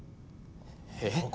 えっ？